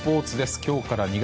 今日から２月。